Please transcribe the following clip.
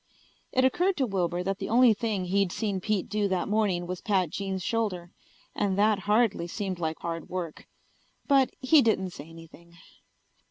It occurred to Wilbur that the only thing he'd seen Pete do that morning was pat Jean's shoulder, and that hardly seemed like hard work. But he didn't say anything.